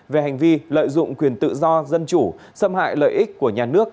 về hành vi lợi dụng quyền tự do dân chủ xâm hại lợi ích của nhà nước